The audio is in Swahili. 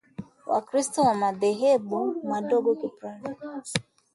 Wakristo wa madhehebu madogo ya Kiprotestanti katika Uingereza kama Makweka au Marafiki na Wamethodisti